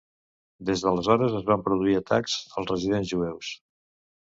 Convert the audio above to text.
Des d'aleshores, es van produir atacs als residents jueus.